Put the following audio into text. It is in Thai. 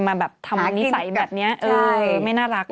มาแบบทำนิสัยแบบนี้ไม่น่ารัก